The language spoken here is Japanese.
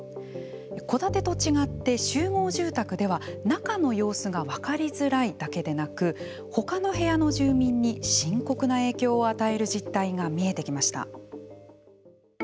戸建てと違って、集合住宅では中の様子が分かりづらいだけでなく他の部屋の住民に深刻な影響を与える実態が見えてきました。